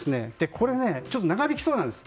これ、長引きそうなんです。